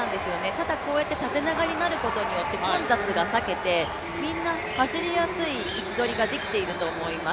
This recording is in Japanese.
ただ、こうやって縦長になることによって混雑を避けて、みんな走りやすい位置取りができていると思います。